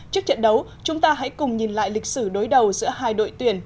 trước trận đấu chúng ta hãy cùng nhìn lại lịch sử đối đầu giữa hai đội tuyển